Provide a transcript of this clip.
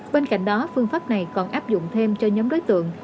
bên cạnh đó phương pháp này còn áp dụng thêm cho nhóm đối tượng